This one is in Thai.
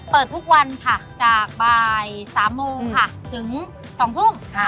เปิดทุกวันค่ะจากบ่าย๓โมงค่ะถึง๒ทุ่ม